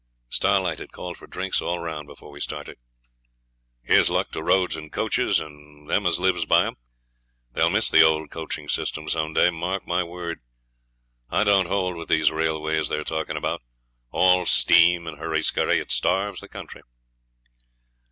Starlight had called for drinks all round before we started. 'Here's luck to roads and coaches, and them as lives by 'em. They'll miss the old coaching system some day mark my word. I don't hold with these railways they're talkin' about all steam and hurry scurry; it starves the country.'